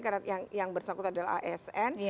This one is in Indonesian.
karena yang bersangkut adalah asn